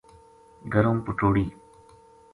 گرم پٹوڑی